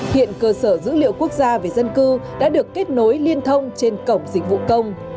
hiện cơ sở dữ liệu quốc gia về dân cư đã được kết nối liên thông trên cổng dịch vụ công